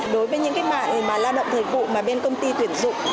đối với những bạn mà lao động thời vụ mà bên công ty tuyển dụng